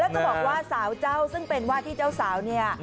จะบอกว่าสาวเจ้าซึ่งเป็นว่าที่เจ้าสาวเนี่ย